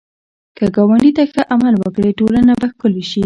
که ګاونډي ته ښه عمل وکړې، ټولنه به ښکلې شي